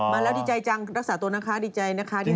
มาแล้วดีใจจังรักษาตัวนะคะดีใจที่หายแล้ว